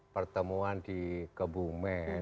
pertemuan di kebumen